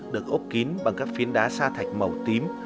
được ốp kín bằng các phiến đá sa thạch màu tím